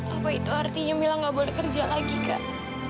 apa itu artinya mila gak boleh kerja lagi kak